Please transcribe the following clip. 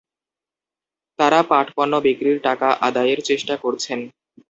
তাঁরা পাটপণ্য বিক্রির টাকা আদায়ের চেষ্টা করছেন।